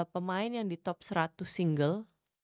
pemain yang di top seratus single